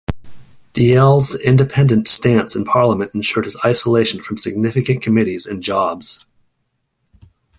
Dalyell's independent stance in Parliament ensured his isolation from significant committees and jobs.